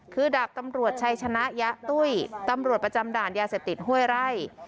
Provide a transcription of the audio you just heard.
คือดาบตำรวจชัยชนะยะตุ้ยตำรวจประจำด่านยาเสพติดห้วยไร่